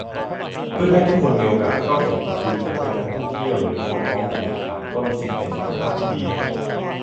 เพื่อให้ทุกคนมีโอกาสเข้าถึง คือจะเป็นนักท่องเที่ยวหรือคนท้องถิ่น ต่างก็มีสิทธิในสุขภาพที่ดี